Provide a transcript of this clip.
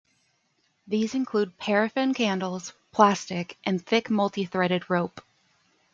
These include paraffin candles, plastic, and thick multithreaded rope.